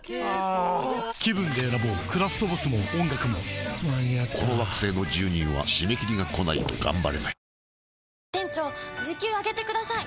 気分で選ぼうクラフトボスも音楽も間に合ったこの惑星の住人は締め切りがこないとがんばれない